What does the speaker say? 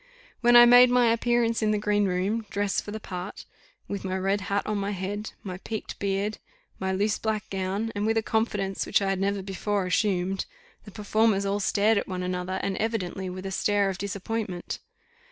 When I made my appearance in the green room, dressed for the part, with my red hat on my head, my piqued beard, my loose black gown, and with a confidence which I had never before assumed, the performers all stared at one another, and evidently with a stare of disappointment.